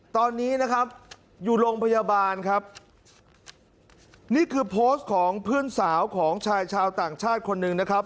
ตอนนี้นะครับอยู่โรงพยาบาลครับนี่คือโพสต์ของเพื่อนสาวของชายชาวต่างชาติคนหนึ่งนะครับ